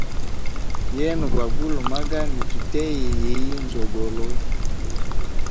Yena gwa gule magani tuteye yiyi nzogolo.